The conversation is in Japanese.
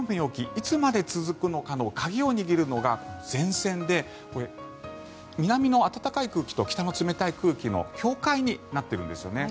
いつまで続くのかの鍵を握るのがこの前線で南の暖かい空気と北の冷たい空気の境界になってるんですよね。